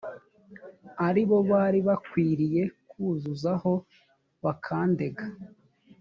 ari bo bari bakwiriye kukuzaho bakandega